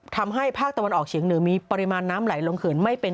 ภาคตะวันออกเฉียงเหนือมีปริมาณน้ำไหลลงเขื่อนไม่เป็น